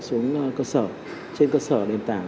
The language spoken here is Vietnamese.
xuống cơ sở trên cơ sở đềm tảng